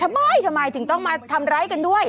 ทำไมทำไมถึงต้องมาทำร้ายกันด้วย